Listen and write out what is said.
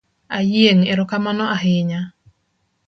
Ayieng’ erokamano ahinya.